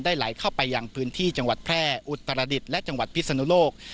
ไหลเข้าไปอย่างพื้นที่จังหวัดแพร่อุตรดิษฐ์และจังหวัดพิศนุโลก